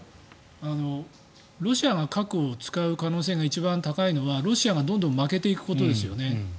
ロシアが核を使う可能性が一番高いのはロシアがどんどん負けていくことですね。